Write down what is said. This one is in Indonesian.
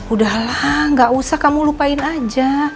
udah lah gak usah kamu lupain aja